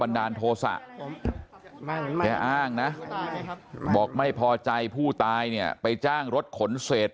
โทษะแกอ้างนะบอกไม่พอใจผู้ตายเนี่ยไปจ้างรถขนเศษ